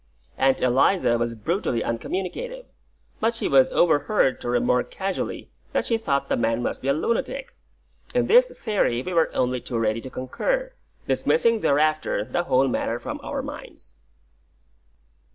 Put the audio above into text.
Aunt Eliza was brutally uncommunicative; but she was overheard to remark casually that she thought the man must be a lunatic. In this theory we were only too ready to concur, dismissing thereafter the whole matter from our minds.